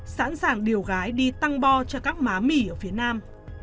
sẵn sàng điều gái đi tăng bo cho các má mì ở phía nam